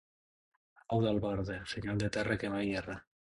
Au d'albarda, senyal de terra que mai erra.